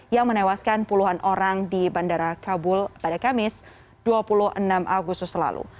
yang menewaskan puluhan orang di bandara kabul pada kamis dua puluh enam agustus lalu